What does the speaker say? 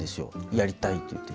「やりたい」って言って。